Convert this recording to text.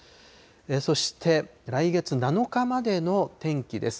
そして来月７日までの天気です。